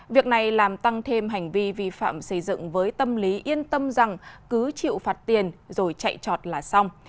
việc này làm tăng thêm hành vi vi phạm xây dựng với tâm lý yên tâm rằng cứ chịu phạt tiền rồi chạy trọt là xong